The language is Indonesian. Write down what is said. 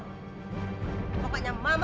pokoknya mama tidak bisa berhenti